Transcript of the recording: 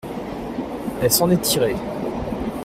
Elle s’en est tirée.